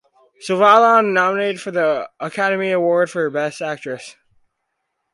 Sullavan was nominated for the Academy Award for Best Actress.